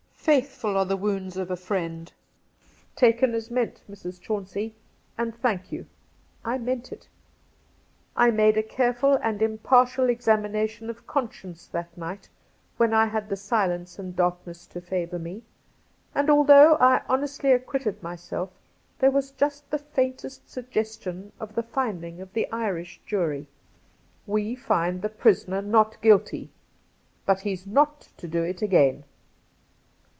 " Faithful are the wounds of a friend." '' Taken as meant, Mrs. Chauncey ; and ^thank you !' I meant it. I made a careful and impartial examination of conscience that night when I had the silence and darkness to favour me ; and although I honestly acquitted myself, there was just the faintest sug gestion of the finding of the Irish jury :' We find 152 Cassidy the prisoner not guilty ; but he's not to do it again.'